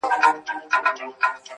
بيا دي توري سترگي زما پر لوري نه کړې